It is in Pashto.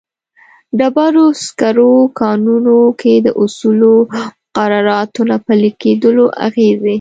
ډبرو سکرو کانونو کې د اصولو او مقرراتو نه پلي کېدلو اغېزې.